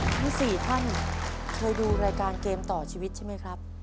ทั้ง๔ท่านเคยดูรายการเกมต่อชีวิตใช่ไหมครับ